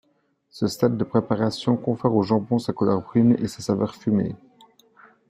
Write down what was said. Ce stade de préparation confère au jambon sa couleur brune et sa saveur fumée.